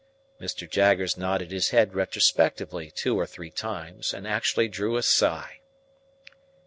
Mr. Jaggers nodded his head retrospectively two or three times, and actually drew a sigh.